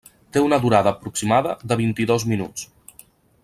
Té una durada aproximada de vint-i-dos minuts.